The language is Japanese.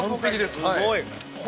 ◆すごい。